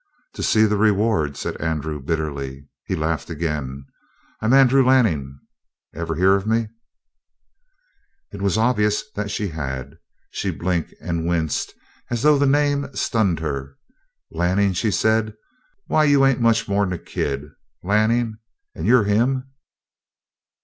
"To see the reward," said Andrew bitterly. He laughed again. "I'm Andrew Lanning. Ever hear of me?" It was obvious that she had. She blinked and winced as though the name stunned her. "Lanning!" she said. "Why, you ain't much more'n a kid. Lanning! And you're him?"